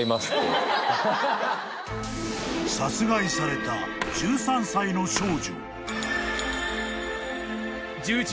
［殺害された１３歳の少女］